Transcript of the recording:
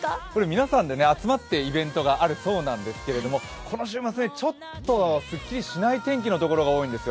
皆さんで集まってイベントがあるそうなんですけど、この週末ちょっとすっきりしない天気の所が多いんですよ。